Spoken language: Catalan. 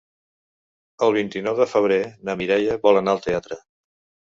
El vint-i-nou de febrer na Mireia vol anar al teatre.